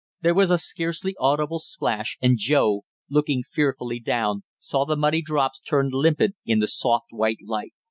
There was a scarcely audible splash and Joe, looking fearfully down, saw the muddy drops turn limpid in the soft white light.